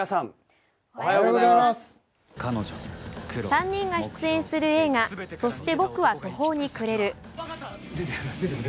３人が出演する映画「そして僕は途方に暮れる」。